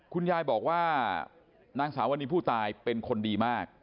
คุณยายบอกว่านางสาววันนี้ผู้ตายเป็นคนดีมาก